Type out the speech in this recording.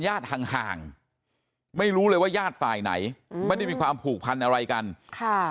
แย้ดห่างไม่รู้เลยว่ายาฆฟายไหนไม่มีความผูกพันณอะไรกันค่ะ